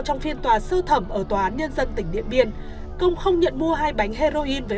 trong phiên tòa sơ thẩm ở tòa án nhân dân tỉnh điện biên công không nhận mua hai bánh heroin về